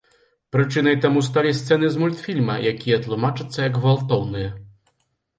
Прычынай таму сталі сцэны з мультфільма, якія тлумачацца як гвалтоўныя.